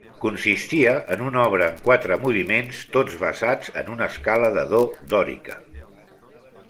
Consistia en una obra en quatre moviments, tots basats en una escala de do dòrica.